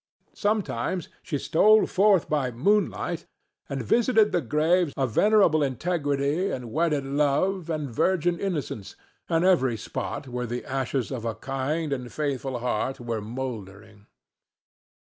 Sometimes she stole forth by moonlight and visited the graves of venerable integrity and wedded love and virgin innocence, and every spot where the ashes of a kind and faithful heart were mouldering.